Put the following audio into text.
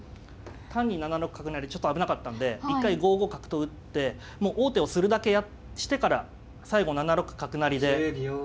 単に７六角成ちょっと危なかったんで一回５五角と打ってもう王手をするだけしてから最後７六角成で。